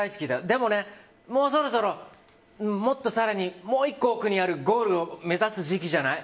でもね、もうそろそろもっと更にもう１個、奥にあるゴールを目指す時期じゃない？